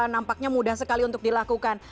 nampaknya mudah sekali untuk dilakukan